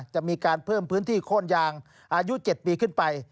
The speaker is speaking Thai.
จะมีการเพิ่มพื้นที่โค้นยางอายุ๗ปีขึ้นไป